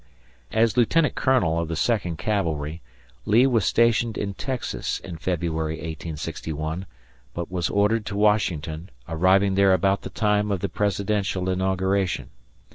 As Lieutenant Colonel of the Second Cavalry, Lee was stationed in Texas in February, 1861, but was ordered to Washington, arriving thereabout the time of the presidential inauguration.